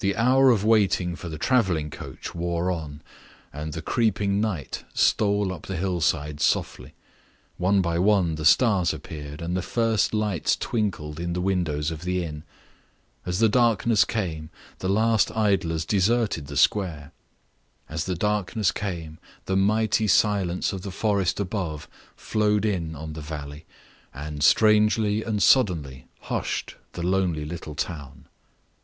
The hour of waiting for the traveling carriage wore on, and the creeping night stole up the hillsides softly. One by one the stars appeared, and the first lights twinkled in the windows of the inn. As the darkness came, the last idlers deserted the square; as the darkness came, the mighty silence of the forest above flowed in on the valley, and strangely and suddenly hushed the lonely little town.